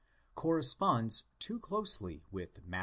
10) corresponds too closely with Matt.